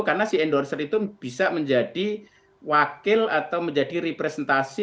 karena si endorser itu bisa menjadi wakil atau menjadi representasi